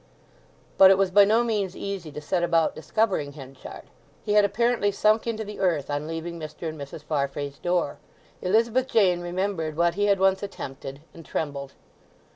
But it was by no means easy to set about discovering Henchard. He had apparently sunk into the earth on leaving Mr. and Mrs. Farfrae's door. Elizabeth Jane remembered what he had once attempted; and trembled.